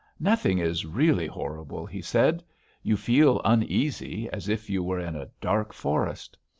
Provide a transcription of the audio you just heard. "Nothing is really horrible," he said. "You feel uneasy, as if you were in a dark forest.